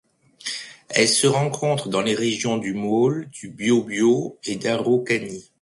Elle se rencontre dans les régions du Maule, du Biobío et d'Araucanie.